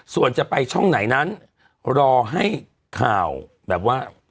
ส่วนจะไปช่องไหนนั้นรอให้ข่าวแบบว่า